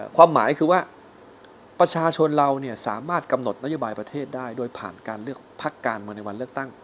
ความหมายคือว่าประชาชนเราสามารถกำหนดนโยบายประเทศได้โดยผ่านการเลือกพักการเมืองในวันเลือกตั้ง